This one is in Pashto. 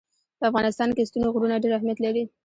په افغانستان کې ستوني غرونه ډېر اهمیت لري.